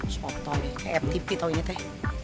sotong kayak ftp tau ini teh